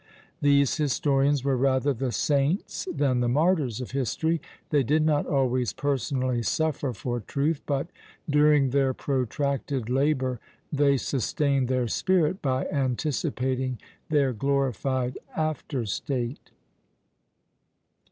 These historians were rather the saints than the martyrs of history; they did not always personally suffer for truth, but during their protracted labour they sustained their spirit by anticipating their glorified after state.